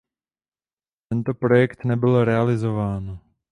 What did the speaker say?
Tento projekt nebyl realizován.